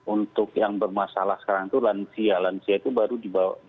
untuk yang bermasalah sekarang itu lansia lansia itu baru dibawa